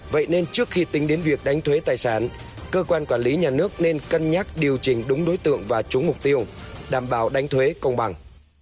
vậy nên trước khi tính đến việc đánh thuế tài sản cơ quan quản lý nhà nước nên cân nhắc điều chỉnh đúng đối tượng và trúng mục tiêu đảm bảo đánh thuế công bằng